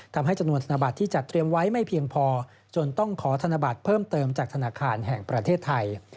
ทำให้จำนวนธนบัตรที่จัดเตรียมไว้ไม่เพียงพอจนต้องขอธนบัตรเพิ่มเติมจากธนาคารแห่งประเทศไทย